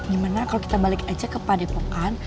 dimana kalau kita balik aja ke padepokan